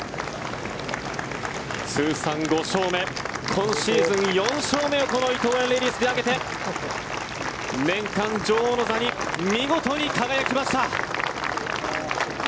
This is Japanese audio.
通算５勝目、今シーズン４勝目をこの伊藤園レディスで挙げて年間女王の座に見事に輝きました。